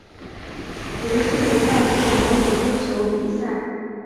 游戏主要是模拟冰球比赛。